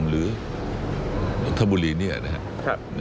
หรือธบุรีนี่นะฮะ